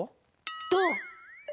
どう？